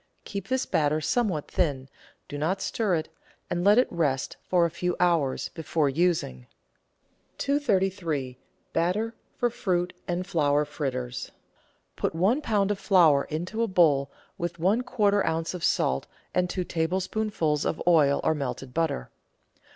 Keep this batter somewhat thin, do not stir it, and let it rest for a few hours before using. 333— BATTER FOR FRUIT AND FLOWER FRITTERS Put one lb. of flour into a bowl with one quarter oz. of salt and two tablespoonfuls of oil or melted butter.